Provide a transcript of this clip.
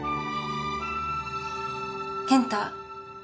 健太。